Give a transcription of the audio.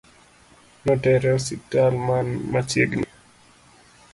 Notere osiptal man machiegni